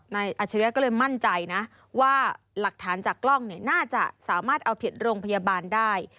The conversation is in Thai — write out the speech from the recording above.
อัจฉริยะก็เลยมั่นใจนะว่าหลักฐานจากกล้องเนี่ยน่าจะสามารถเอาผิดโรงพยาบาลได้